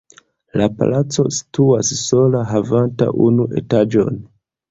La palaco situas sola havanta unu etaĝon.